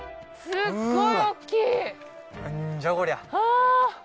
すごい！